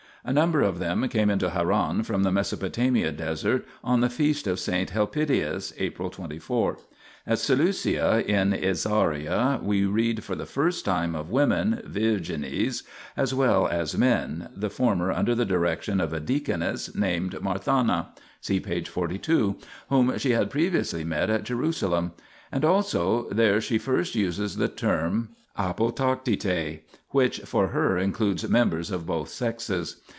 A number of them came into Haran from the Mesopotamia desert on the Feast of S. Helpidius (April 24). At Seleucia in Isauria we read for the first time of women (vtrgines) as well as men, the former under the direction of a deaconess named Marthana 1 (see p. 42) whom she had previously met at Jerusalem : and also there she first uses the term apotactitae (anoraxTiTOi), which for her includes members of both sexes.